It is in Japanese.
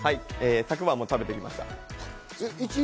昨晩も食べてきました。